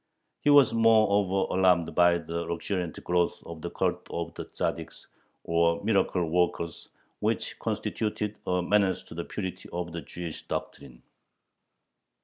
He was moreover alarmed by the luxuriant growth of the cult of the Tzaddiks, or miracle workers, which constituted a menace to the purity of the Jewish doctrine.